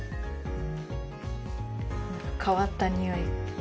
変わったにおい。